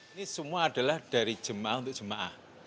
ini semua adalah dari jemaah untuk jemaah